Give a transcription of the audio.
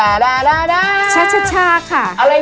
อะไรนะเช็ทเช็ทค่ะ